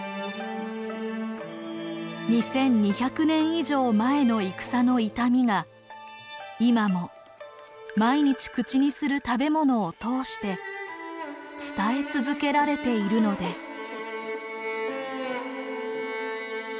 ２，２００年以上前の戦の痛みが今も毎日口にする食べ物を通して伝え続けられているのです。